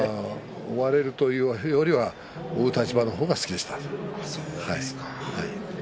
追われるよりは追う立場の方が好きでした。